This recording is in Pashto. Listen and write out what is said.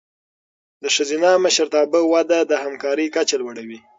د ښځینه مشرتابه وده د همکارۍ کچه لوړوي.